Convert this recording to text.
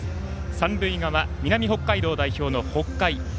三塁側、南北海道代表の北海。